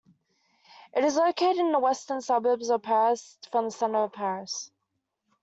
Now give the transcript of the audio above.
It is located in the western suburbs of Paris, from the centre of Paris.